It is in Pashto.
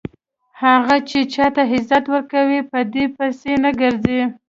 هغه چې چاته عزت ورکوي په دې پسې نه ګرځي.